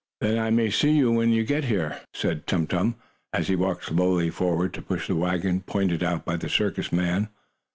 "Then I may see you when we get there," said Tum Tum, as he walked slowly forward to push the wagon pointed out by the circus man.